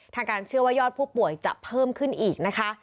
ทางการเชื่อว่ายอดผู้ป่วยจะเพิ่มขึ้นอีกนะคะ